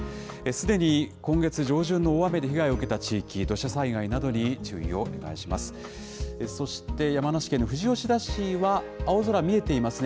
すでに今月上旬の大雨で被害を受けた地域、土砂災害などに注意をお願いします。